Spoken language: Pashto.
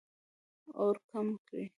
اور کم کړئ